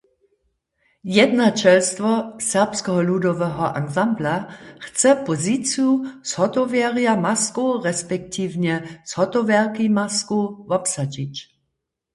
Jednaćelstwo Serbskeho ludoweho ansambla chce poziciju zhotowjerja maskow respektiwnje zhotowjerki maskow wobsadźić.